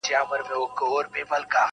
د نغمو آمیل په غاړه راغلم یاره,